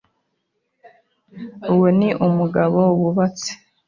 uwo Ni umugabo wubatse,